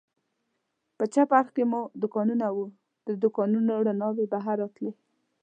په چپ اړخ کې مو دوکانونه و، د دوکانونو رڼاوې بهر راتلې.